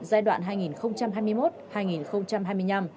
giai đoạn hai nghìn hai mươi một hai nghìn hai mươi năm